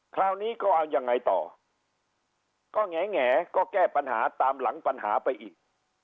คราวนี้ก็เอายังไงต่อก็แง่ก็แก้ปัญหาตามหลังปัญหาไปอีก